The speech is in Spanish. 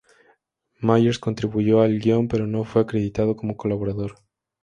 Myers contribuyó al guion, pero no fue acreditado como colaborador.